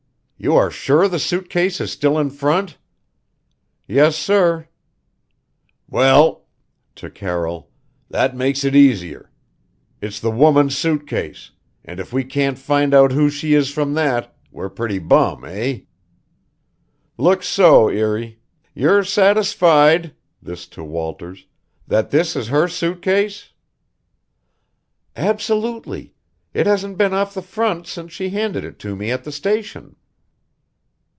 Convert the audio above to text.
"You are sure the suit case is still in front?" "Yes, sir." "Well" to Carroll "that makes it easier. It's the woman's suit case, and if we can't find out who she is from that, we're pretty bum, eh?" "Looks so, Erie. You're satisfied" this to Walters "that that is her suit case?" "Absolutely. It hasn't been off the front since she handed it to me at the station."